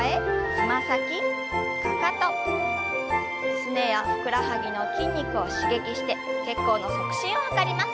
すねやふくらはぎの筋肉を刺激して血行の促進を図ります。